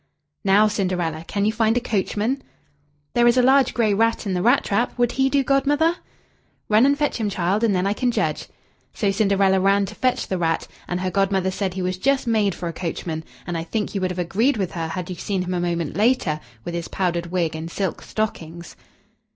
"Now, Cinderella, can you find a coachman?" "There is a large gray rat in the rat trap would he do, Godmother?" "Run and fetch him, child, and then I can judge," So Cinderella ran to fetch the rat, and her Godmother said he was just made for a coachman; and I think you would have agreed with her had you seen him a moment later, with his powdered wig and silk stockings.